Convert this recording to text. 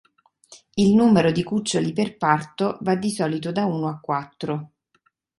Il numero di cuccioli per parto va di solito da uno a quattro.